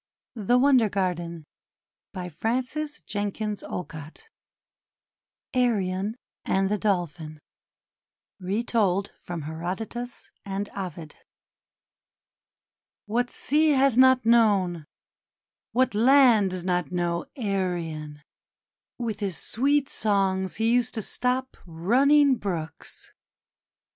232 THE WONDER GARDEN ARION AND THE DOLPHIN Retold from Herodotus and Ovid WHAT sea lias not known, what land does not know, Arion? With his sweet songs he used to stop running brooks.